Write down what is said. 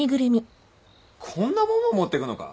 こんなもんも持ってくのか？